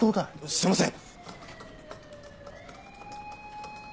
すいません！